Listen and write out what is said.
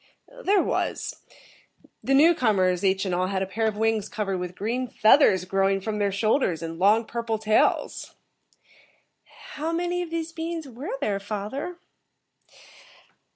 "There was. The newcomers, each and all, had a pair of wings covered with green feathers growing from their shoulders, and long, purple tails." "How many of these beings were there, father?"